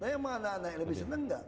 tanya sama anak anak yang lebih seneng gak